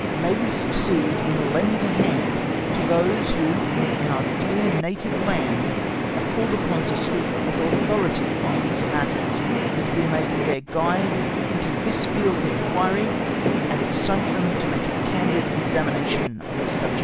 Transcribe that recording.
_May we succeed in lending a hand to those who in our dear native land are called upon to speak with authority on these matters, that we may be their guide into this field of inquiry, and excite them to make a candid examination of the subject_.